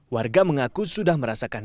warga mengaku sudah merasakan